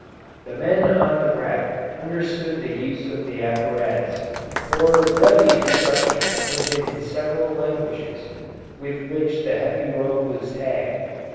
The men on the wreck understood the use of the apparatus, or read the instructions printed in several languages with which the heavy rope was tagged.